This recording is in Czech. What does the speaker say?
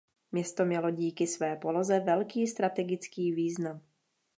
Město mělo díky své poloze velký strategický význam.